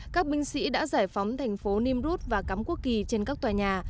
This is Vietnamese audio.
các binh sĩ đã giải phóng thành phố nimroud và cắm quốc kỳ trên các tòa nhà